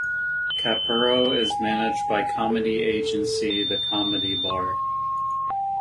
Capurro is managed by comedy agency The Comedy Bar.